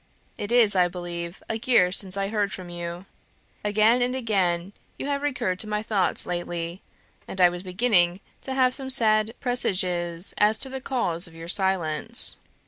It is, I believe, a year since I heard from you. Again and again you have recurred to my thoughts lately, and I was beginning to have some sad presages as to the cause of your silence.